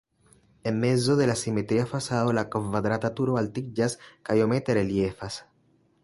En mezo de la simetria fasado la kvadrata turo altiĝas kaj iomete reliefas.